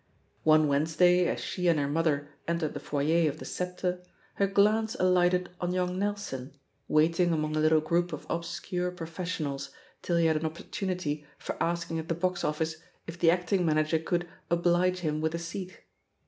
One Wednesday, as she and her mother entered the foyer of the Sceptre, her glance alighted on young Nelson, waiting among a little group of obscure profes sionals till he had an opportunity for asking at the box oflSce if the acting manager could "oblige him with a seat."